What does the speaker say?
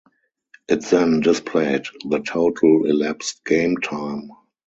It then displayed the total elapsed game time.